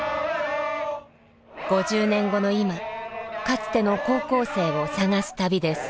５０年後の今かつての高校生を捜す旅です。